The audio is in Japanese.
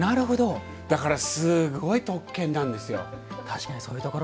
だから、すごい特権なんですよ。